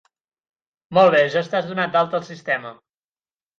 Molt bé, ja estàs donat d'alta al sistema.